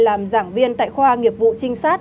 làm giảng viên tại khoa nghiệp vụ trinh sát